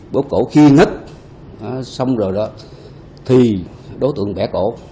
bóp cổ khiên hết xong rồi đó thì đối tượng bẻ cổ